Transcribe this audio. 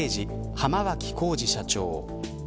浜脇浩次社長。